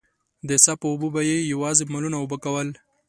د څاه په اوبو به يې يواځې مالونه اوبه کول.